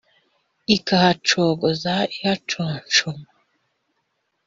Ikahacogoza ihaconshoma,